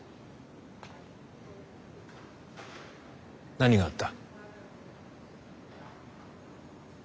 何があった？